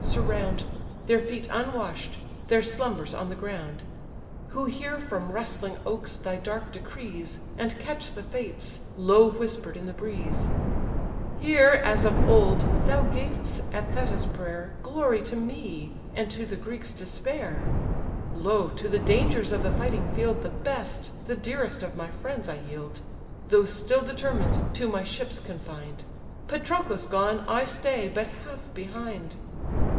surround, Their feet unwash'd, their slumbers on the ground; Who hear, from rustling oaks, thy dark decrees; And catch the fates, low whispered in the breeze;) Hear, as of old! Thou gav'st, at Thetis' prayer, Glory to me, and to the Greeks despair. Lo, to the dangers of the fighting field The best, the dearest of my friends, I yield, Though still determined, to my ships confined; Patroclus gone, I stay but half behind.